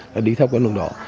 là đi theo con đường đó